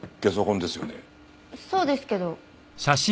そうですけど。